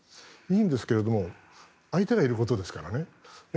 いいんですけど相手がいることですからね。